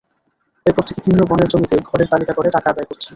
এরপর থেকে তিনিও বনের জমিতে ঘরের তালিকা করে টাকা আদায় করছেন।